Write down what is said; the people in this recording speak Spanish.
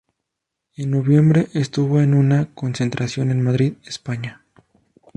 En noviembre estuvo en una concentración en Madrid, España.